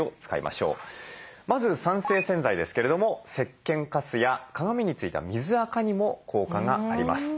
まず酸性洗剤ですけれどもせっけんカスや鏡に付いた水あかにも効果があります。